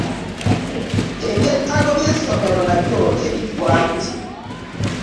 Ebyetaago by'essomero nabyo tebiggwa anti.